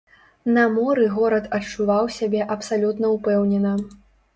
На моры горад адчуваў сябе абсалютна ўпэўнена.